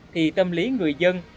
thì tâm lý người dân